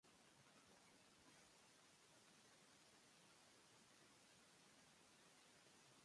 Dissabte na Cloè i na Marta iran a Sant Fost de Campsentelles.